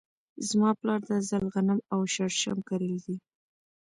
زما پلار دا ځل غنم او شړشم کرلي دي .